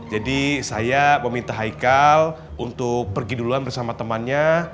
jadi saya meminta aikal untuk pergi duluan bersama temannya